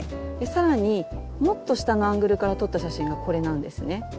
更にもっと下のアングルから撮った写真がこれなんですね。